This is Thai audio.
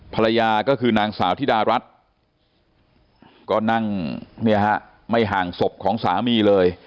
ภรรยาก็คือนางสาวธิดารัฐก็นั่งเนี่ยฮะไม่ห่างศพของสามีเลย